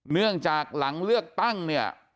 เนื่องจากหลังเลือกตั้งเนี่ย